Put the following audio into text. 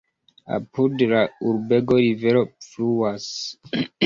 Apud la urbego rivero fluas.